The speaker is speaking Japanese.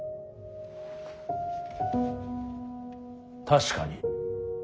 確かに。